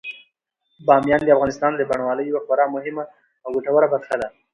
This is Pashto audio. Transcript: بامیان د افغانستان د بڼوالۍ یوه خورا مهمه او ګټوره برخه ده.